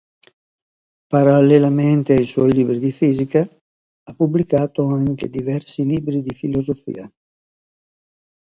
Parallelamente ai suoi libri di fisica, ha pubblicato anche diversi libri di filosofia.